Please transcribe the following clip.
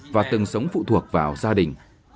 và từng sống phụ thuộc vào gia đình